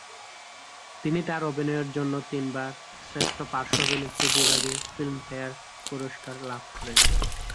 তিনি তার অভিনয়ের জন্য তিনবার শ্রেষ্ঠ পার্শ্ব অভিনেত্রী বিভাগে ফিল্মফেয়ার পুরস্কার লাভ করেন।